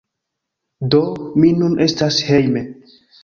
Do, mi nun estas hejme